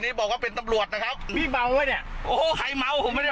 แล้วไปสอน้องกับผมไหมไปสอน้องกับผมไหมพี่เมาไว้เนี่ยไปสอน้องกับผมไหม